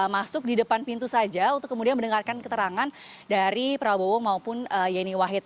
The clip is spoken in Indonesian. masuk di depan pintu saja untuk kemudian mendengarkan keterangan dari prabowo maupun yeni wahid